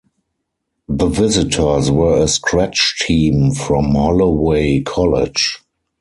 The visitors were a scratch team from Holloway College.